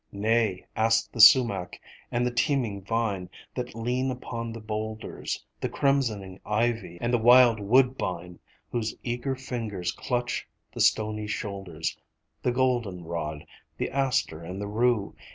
Nay, ask the sumac and the teeming vine, That lean upon the boulders, The crimsoning ivy and the wild woodbine Whose eager fingers clutch the stony shoulders, The golden rod, the aster and the rue.